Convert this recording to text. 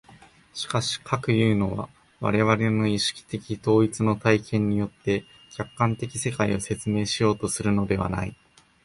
しかし、かくいうのは我々の意識的統一の体験によって客観的世界を説明しようとするのではない。